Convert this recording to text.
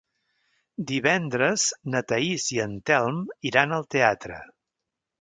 Divendres na Thaís i en Telm iran al teatre.